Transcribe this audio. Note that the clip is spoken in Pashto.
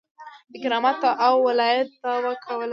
د کرامت او ولایت دعوه کوله.